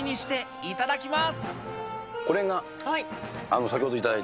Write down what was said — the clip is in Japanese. いただきます。